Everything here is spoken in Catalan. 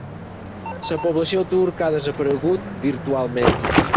La població turca ha desaparegut virtualment.